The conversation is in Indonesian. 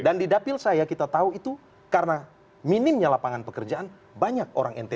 dan di dapil saya kita tahu itu karena minimnya lapangan pekerjaan banyak orang ntt